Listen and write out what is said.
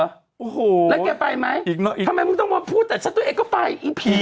โอ้โหแล้วแกไปไหมทำไมมึงต้องมาพูดแต่ฉันตัวเองก็ไปอีผี